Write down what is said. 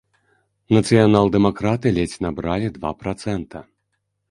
Нацыянал-дэмакраты ледзь набралі два працэнта.